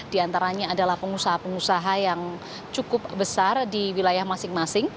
di antaranya adalah pengusaha pengusaha yang cukup besar di wilayah masing masing